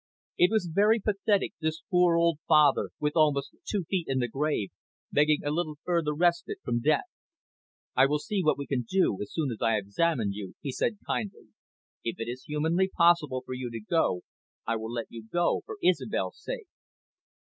It was very pathetic, this poor old father with almost two feet in the grave, begging a little further respite from death. "I will see what we can do, as soon as I have examined you," he said kindly. "If it is humanly possible for you to go, I will let you go, for Isobel's sake."